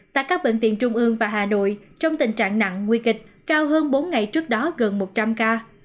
tại các bệnh viện trung ương và hà nội trong tình trạng nặng nguy kịch cao hơn bốn ngày trước đó gần một trăm linh ca